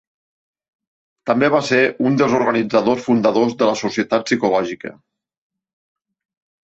També va ser un dels organitzadors fundadors de la Societat Psicològica.